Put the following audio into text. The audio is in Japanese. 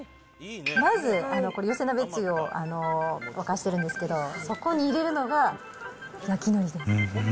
まず、これ、寄せ鍋つゆを沸かしてるんですけど、そこに入れるのが焼きのりです。